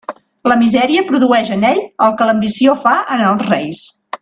La misèria produeix en ell el que l'ambició fa en els reis.